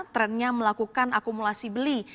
trennya melakukan akumulasi beli